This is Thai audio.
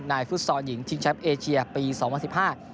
ในฟุตซอห์หญิงชิงชัพเอเชียปีสองพันสิบห้า